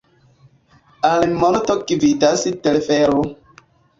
Al monto gvidas telfero.